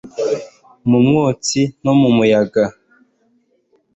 Mu mwotsi no mu muyaga